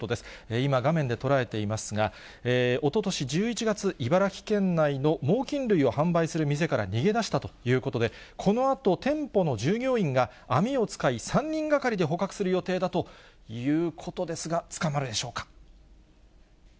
今、画面で捉えていますが、おととし１１月、茨城県内の猛きん類を販売する店から逃げ出したということで、このあと店舗の従業員が、網を使い、３人がかりで捕獲する予定だということですが、捕まるでしょうか。